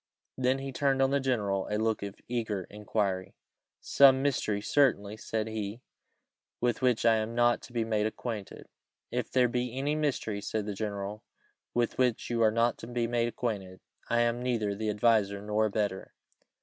Then he turned on the general a look of eager inquiry. "Some mystery, certainly," said he, "with which I am not to be made acquainted?" "If there be any mystery," said the general, "with which you are not to be made acquainted, I am neither the adviser nor abettor.